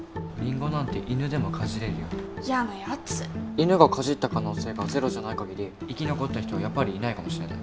犬がかじった可能性がゼロじゃない限り生き残った人はやっぱりいないかもしれない。